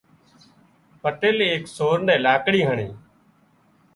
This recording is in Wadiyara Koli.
پٽيلي ايڪ سور نين لاڪڙي هڻي